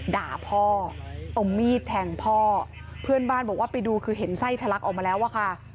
ด่าพ่อเอามีดแทงพ่อเพื่อนบ้านบอกว่าไปดูคือเห็นไส้ทะลักออกมาแล้วอะค่ะ